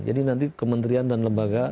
jadi nanti kementerian dan lembaga